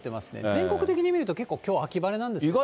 全国的に見ると、結構きょう、秋晴れなんですよね。